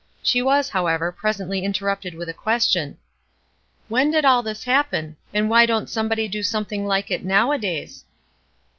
She was, however, presently interrupted with a question: "When did all this happen? And why don't somebody do something like it nowadays?"